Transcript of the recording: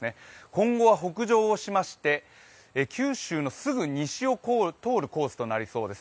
今後は北上しまして九州のすぐ西を通るコースとなりそうです。